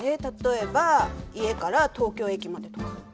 例えば家から東京駅までとか。